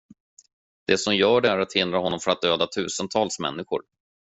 Det som gör det är att hindra honom från att döda tusentals människor.